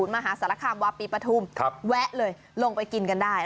มหาสารคามวาปีปฐุมแวะเลยลงไปกินกันได้